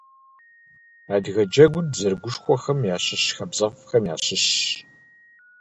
Адыгэ джэгур дызэрыгушхуэхэм ящыщ хабзэфӏхэм ящыщщ.